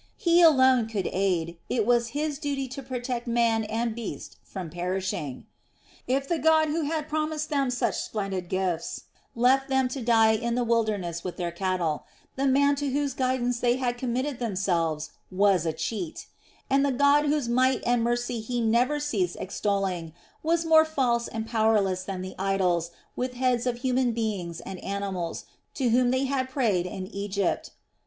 He alone could aid, it was his duty to protect man and beast from perishing. If the God who had promised them such splendid gifts left them to die in the wilderness with their cattle, the man to whose guidance they had committed themselves was a cheat; and the God whose might and mercy he never ceased extolling was more false and powerless than the idols with heads of human beings and animals, to whom they had prayed in Egypt.